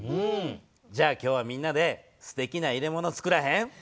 じゃあ今日はみんなですてきな入れ物つくらへん？